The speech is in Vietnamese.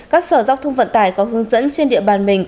các sở giao thông vận tải có hướng dẫn trên địa bàn mình